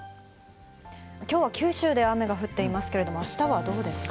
きょうは九州で雨が降っていますけれども、あしたはどうですか？